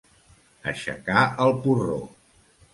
Aixecar el porró.